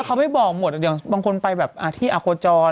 เขาไม่บอกหมดอย่างบางคนไปแบบที่อาโคจร